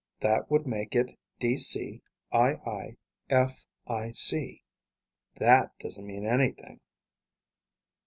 That would make it DCIIFIC. That doesn't mean anything."